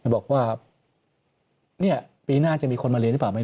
บอกว่าปีหน้าจะมีคนมาเรียนหรือเปล่า